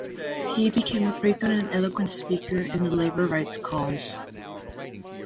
He became a frequent and eloquent speaker in the labor rights cause.